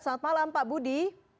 selamat malam pak budi